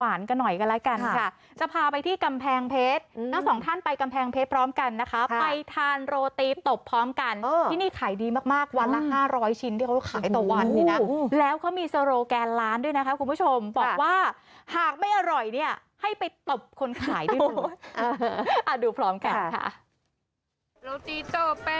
สวัสดีค่ะสวัสดีครับสวัสดีครับสวัสดีครับสวัสดีครับสวัสดีครับสวัสดีครับสวัสดีครับสวัสดีครับสวัสดีครับสวัสดีครับสวัสดีครับสวัสดีครับสวัสดีครับสวัสดีครับสวัสดีครับสวัสดีครับสวัสดีครับสวัสดีครับสวัสดีครับสวัสดีครับสวัสดีครับสวั